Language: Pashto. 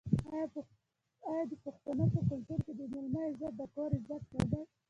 آیا د پښتنو په کلتور کې د میلمه عزت د کور عزت نه دی؟